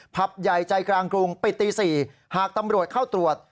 ผับใหญ่ใจกลางกรุงปิดตี๔หากตำรวจเข้าตรวจ